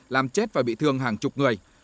làm chết và bị thương hàng chục người